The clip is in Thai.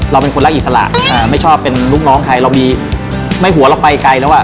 เราเป็นคนรักอิสระไม่ชอบเป็นลูกน้องใครเรามีไม่หัวเราไปไกลแล้วอ่ะ